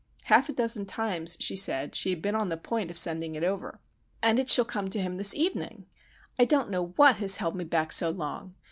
Half a dozen times, she said, she had been on the point of sending it over. "And it shall come to him this evening. I don't know what has held me back so long!